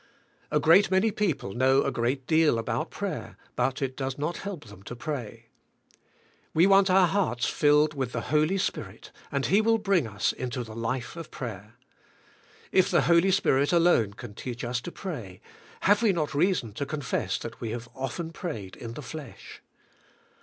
A great many people know a great deal about prayer, but it does not help them to pray. We want our hearts filled with the Holy Spirit and He will bring us into the life of prayer. If the Holy Spirit alone can teach us to pray, have we not reason to confess that we have often prayed in the flesh?